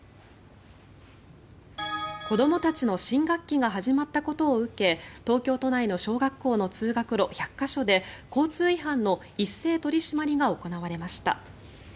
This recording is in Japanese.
子どもたちの新学期が始まったことを受け東京都内の小学校の通学路１００か所で交通違反の一斉取り締まりが行われました。